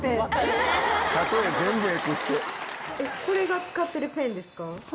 これが使ってるペンですか？